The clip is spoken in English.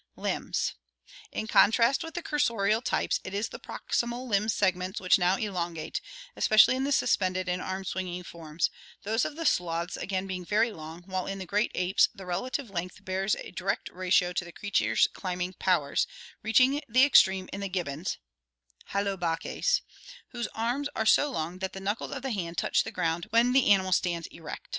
Limbs. — In contrast with the cursorial types, it is the proximal limb segments which now elongate, especially in the suspended and arm swinging forms, those of the sloths again being very long, while in the great apes the relative length bears a direct ratio to the creature's climbing powers, reaching the extreme in the gibbons (Hylobaks) whose arms are so long that the knuckles of the hand touch the ground when the animal stands erect.